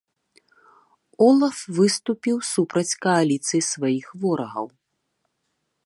Олаф выступіў супраць кааліцыі сваіх ворагаў.